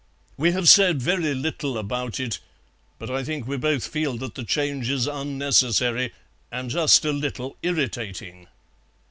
We have said very little about it, but I think we both feel that the change is unnecessary, and just a little irritating."